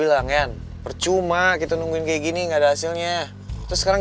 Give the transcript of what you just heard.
jangan disengih itu gak apa lagi